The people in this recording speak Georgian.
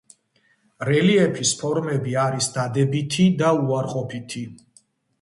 რელიეფის ფორმები არის დადებითი და უარყოფითი.